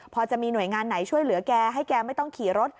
พอจะมีหน่วยงานไหนช่วยเหลือแกให้แกไม่ต้องขี่รถ